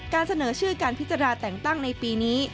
เสนอชื่อการพิจารณาแต่งตั้งในปีนี้